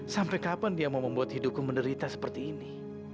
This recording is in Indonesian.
sampai kapan dia mau membuat hidupku menderita seperti ini